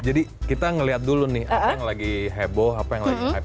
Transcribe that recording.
jadi kita ngelihat dulu nih apa yang lagi heboh apa yang lagi hype